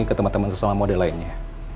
ke teman teman sesama model lainnya